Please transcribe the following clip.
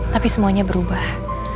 tapi semuanya berubah